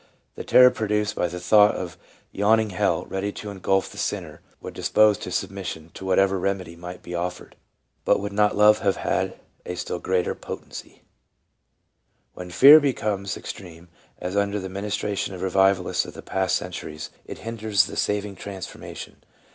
The terror produced by the thought of yawning hell, ready to engulf the sinner, would dispose to submission to whatever remedy might be offered, but would not love have had a still greater potency t When fear becomes extreme, as under the ministration of Eevivalists of the past centuries, it hinders the saving transformation.